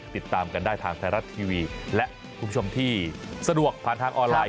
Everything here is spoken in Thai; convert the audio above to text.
ติดตามกันได้ทางไทยรัฐทีวีและคุณผู้ชมที่สะดวกผ่านทางออนไลน